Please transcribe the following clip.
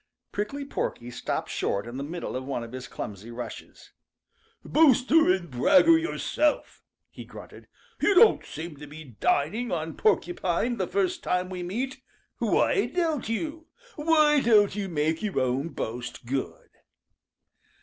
Prickly Porky stopped short in the middle of one of his clumsy rushes. "Boaster and bragger yourself!" he grunted. "You don't seem to be dining on Porcupine the first time we meet. Why don't you? Why don't you make your own boast good?"